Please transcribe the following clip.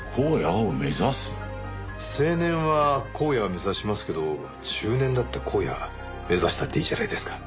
青年は荒野をめざしますけど中年だって荒野めざしたっていいじゃないですか。